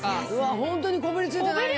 ホントにこびりついてないね。